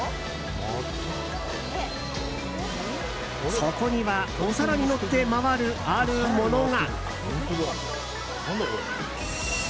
そこにはお皿にのって回る、あるものが。